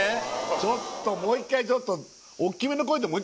ちょっともう一回ちょっとイエーイ！